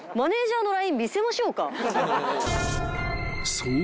［そう。